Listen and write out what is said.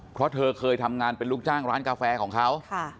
เพราะเธอเคยทำงานเป็นลูกจ้างร้านกาแฟของเขา